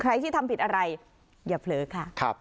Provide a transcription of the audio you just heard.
ที่ทำผิดอะไรอย่าเผลอค่ะ